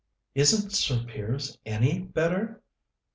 "Isn't Sir Piers any better?"